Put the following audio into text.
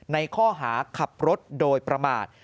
ในข้อหาขับรถโดยประมาท